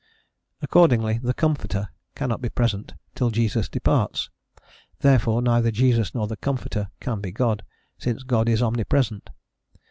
Accordingly "the Comforter" cannot be present till Jesus departs, therefore neither Jesus nor the Comforter can be God, since God is omnipresent.